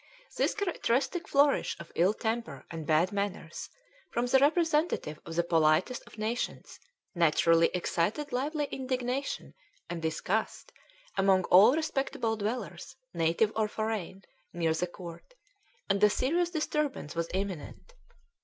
This characteristic flourish of ill temper and bad manners, from the representative of the politest of nations, naturally excited lively indignation and disgust among all respectable dwellers, native or foreign, near the court, and a serious disturbance was imminent.